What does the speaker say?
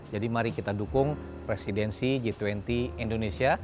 jadi mari kita dukung presidensi g dua puluh indonesia